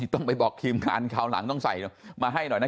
ต้องไปบอกทีมงานคราวหลังต้องใส่มาให้หน่อยนะ